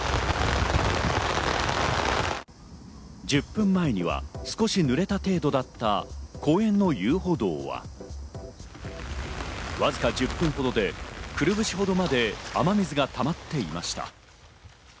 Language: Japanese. １０分前には少し濡れた程度だった公園の遊歩道は、わずか１０分ほどでくるぶしほどまで雨水がたまっていました。